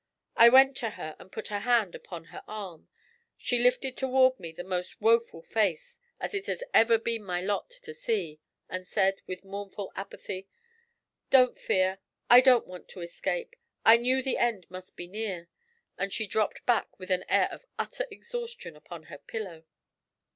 I went to her and put a hand upon her arm; she lifted toward me the most woeful face it has ever been my lot to see, and said, with mournful apathy: 'Don't fear I don't want to escape! I knew the end must be near.' And she dropped back with an air of utter exhaustion upon her pillow.